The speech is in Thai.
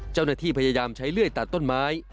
เจ้าหน้าที่พยายามใช้เลื่อยตัดต้นไม้